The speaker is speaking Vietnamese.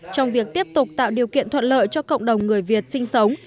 trong việc tiếp tục tạo điều kiện thuận lợi cho cộng đồng người việt sinh sống